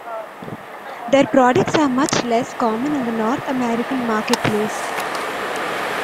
Their products are much less common in the North American marketplace.